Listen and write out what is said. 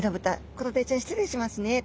コロダイちゃん失礼しますねと。